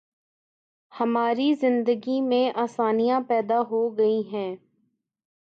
ہماری زندگی میں آسانیاں پیدا ہو گئی ہیں۔